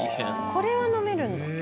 これは飲めるんだ。